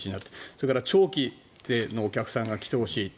それから長期のお客さんに来てほしい。